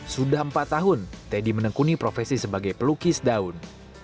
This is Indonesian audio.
sudah empat tahun teddy menekuni profesi sebagai pelukis daun